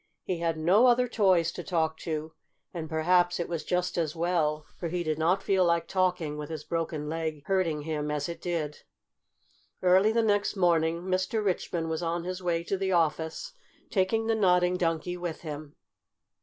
He had no other toys to talk to, and perhaps it was just as well, for he did not feel like talking with his broken leg hurting him as it did. Early the next morning Mr. Richmond was on his way to the office, taking the Nodding Donkey with him.